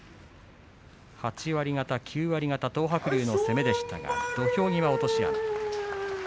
８割方、９割方東白龍の攻めでしたが土俵際、落とし穴。